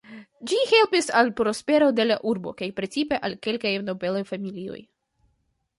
Ĝi helpis al prospero de la urbo kaj precipe al kelkaj nobelaj familioj.